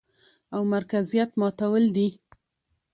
او مرکزيت ماتول دي،